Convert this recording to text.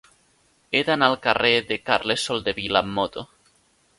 He d'anar al carrer de Carles Soldevila amb moto.